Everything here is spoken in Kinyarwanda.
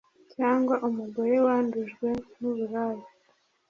cyangwa umugore wandujwe n'ubulaya